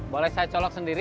boleh saya colok sendiri